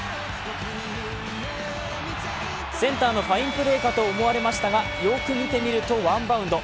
センターのファインプレーかと思われましたが、よく見てみるとワンバウンド。